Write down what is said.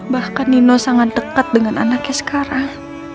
bahkan nino sangat dekat dengan anaknya sekarang